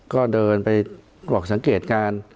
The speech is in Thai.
ก็เดินไปกรอกสังเกตการ